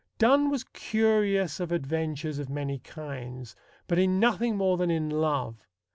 Donne was curious of adventures of many kinds, but in nothing more than in love.